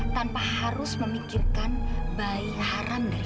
sampai jumpa di video selanjutnya